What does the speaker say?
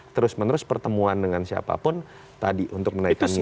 terus menerus pertemuan dengan siapapun tadi untuk menaikkan nilai